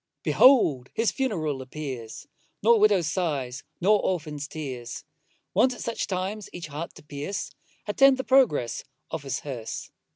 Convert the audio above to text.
Behold his funeral appears, Nor widow's sighs, nor orphan's tears, Wont at such times each heart to pierce, Attend the progress of his hearse.